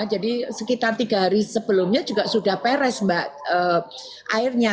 jadi sekitar tiga hari sebelumnya juga sudah peres mbak airnya